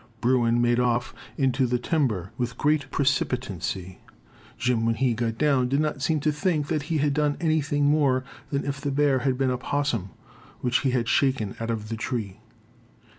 Bruin made off into the timber with great precipitancy. Jim, when he got down, did not seem to think that he had done anything more than if the bear had been a "possum," which he had shaken out of the tree.